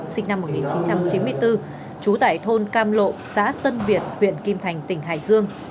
sinh năm một nghìn chín trăm chín mươi bốn trú tại thôn cam lộ xã tân việt huyện kim thành tỉnh hải dương